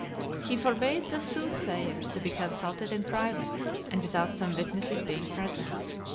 He forbade the soothsayers to be consulted in private, and without some witnesses being present.